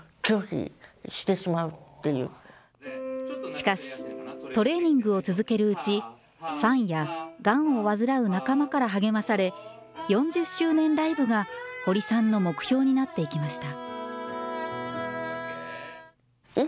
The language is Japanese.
しかし、トレーニングを続けるうち、ファンやがんを患う仲間から励まされ、４０周年ライブが堀さんの目標になっていきました。